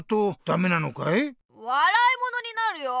わらいものになるよ。